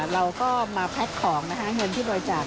เราก็มาแพ็คของนะคะเงินที่บริจาค